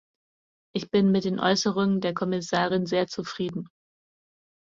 Ich bin mit den Äußerungen der Kommissarin sehr zufrieden.